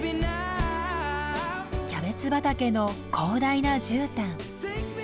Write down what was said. キャベツ畑の広大なじゅうたん。